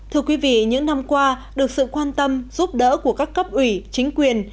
thưa quý vị những năm qua được sự quan tâm giúp đỡ của các cấp ủy chính quyền